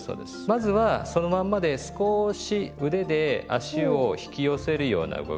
まずはそのまんまで少し腕で足を引き寄せるような動き。